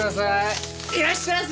いらっしゃいませ！